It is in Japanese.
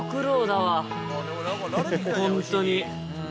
本当に。